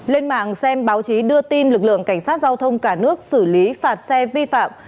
lên mạng xem báo chí đưa tin lực lượng cảnh sát giao thông cả nước xử lý phạt xe vi phạm